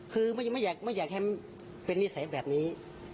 คือไม่อยากให้เป็นนิสัยแบบนี้